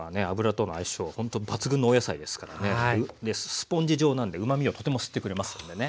スポンジ状なんでうまみをとても吸ってくれますのでね。